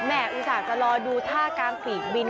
แหม่อีศาสตร์จะรอดูท่ากลางปีกบิน